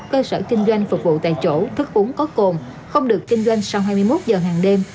cơ sở kinh doanh phục vụ tại chỗ thức uống có cồn không được kinh doanh sau hai mươi một giờ hàng đêm